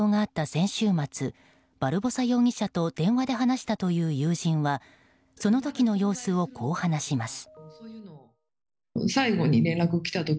先週末バルボサ容疑者と電話で話したという友人はその時の様子をこう話します。